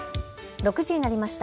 ６時になりました。